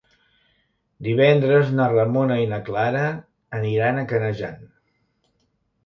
Divendres na Ramona i na Clara aniran a Canejan.